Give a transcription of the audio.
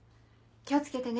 気を付けてね。